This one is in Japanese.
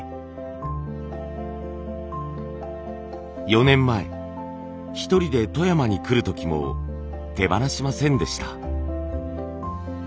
４年前一人で富山に来る時も手放しませんでした。